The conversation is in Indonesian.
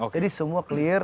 jadi semua clear